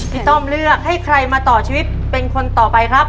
ต้อมเลือกให้ใครมาต่อชีวิตเป็นคนต่อไปครับ